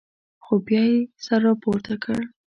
خو بیا یې سر راپورته کړ.